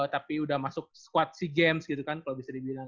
tapi udah masuk squad sea games gitu kan kalau bisa dibilang